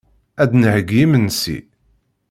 Ad d-nheyyi imensi.